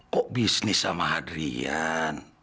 kok bisnis sama hadrian